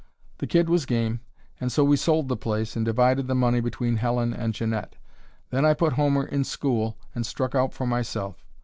The kid was game, and so we sold the place and divided the money between Helen and Jeannette. Then I put Homer in school and struck out for myself.